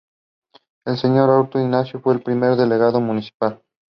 The Canadian team competed at the event for the first time in eight years.